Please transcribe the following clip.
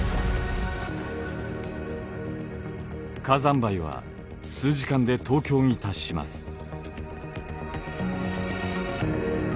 火山灰は数時間で東京に達します。